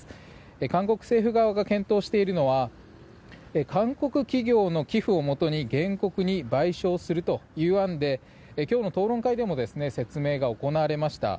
韓国政府側が検討しているのは韓国企業の寄付をもとに原告に賠償するという案で今日の討論会でも説明が行われました。